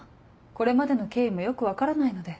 これまでの経緯もよく分からないので。